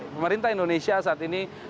pemerintah indonesia saat ini